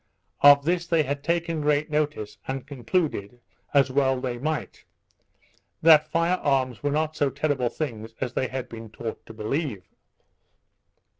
Of all this they had taken great notice, and concluded, as well they might, that fire arms were not so terrible things as they had been taught to believe.